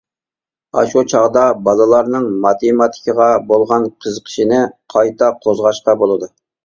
ئاشۇ چاغدا بالىلارنىڭ ماتېماتىكىغا بولغان قىزىقىشىنى قايتا قوزغاشقا بولىدۇ.